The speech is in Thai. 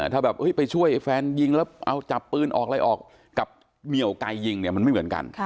ถ้าแบบไปช่วยแฟนยิงแล้วเอาจับปืนออกอะไรออกกับเหมียวไก่ยิงเนี่ยมันไม่เหมือนกัน